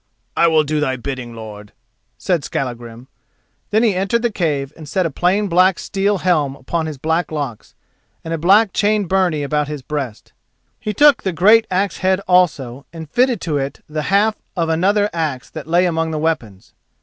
"I will do thy bidding, lord," said Skallagrim. Then he entered the cave and set a plain black steel helm upon his black locks, and a black chain byrnie about his breast. He took the great axe head also and fitted to it the half of another axe that lay among the weapons.